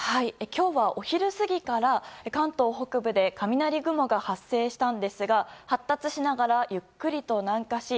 今日は、お昼過ぎから関東北部で雷雲が発生したんですが発達しながらゆっくりと南下し